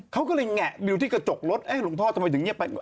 เขาก็เลยแงะดูที่กระจกรถลุงพ่อทำไมอย่างนี้ไป